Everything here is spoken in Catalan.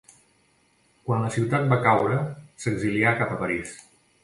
Quan la ciutat va caure s'exilià cap a París.